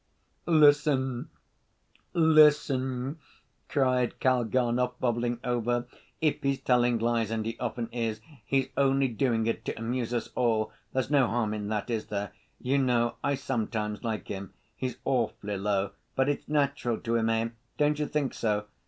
He he!" "Listen, listen!" cried Kalganov, bubbling over, "if he's telling lies—and he often is—he's only doing it to amuse us all. There's no harm in that, is there? You know, I sometimes like him. He's awfully low, but it's natural to him, eh? Don't you think so?